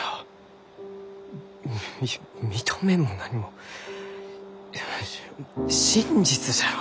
いや認めんも何も真実じゃろう？